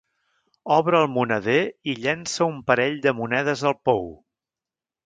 Obre el moneder i llença un parell de monedes al pou.